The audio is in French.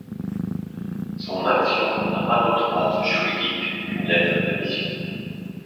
Son action n'a pas d'autre base juridique qu'une lettre de mission.